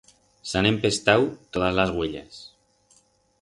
S'han empestau todas las uellas.